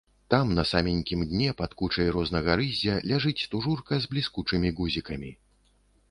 Там, на саменькім дне, пад кучай рознага рыззя, ляжыць тужурка з бліскучымі гузікамі.